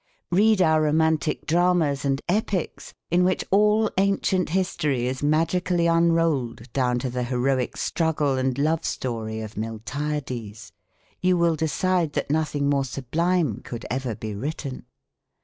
Read our romantic dramas and epics in which all ancient history is magically unrolled down to the heroic struggle and love story of Miltiades. You will decide that nothing more sublime could ever be written.